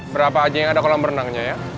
berapa aja yang ada kolam renangnya ya